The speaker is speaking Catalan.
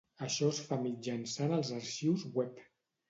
Això es fa mitjançant els arxius web.